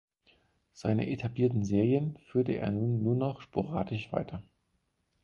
Seine etablierten Serien führte er nur noch sporadisch weiter.